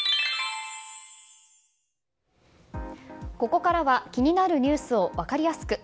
ここからは気になるニュースを分かりやすく。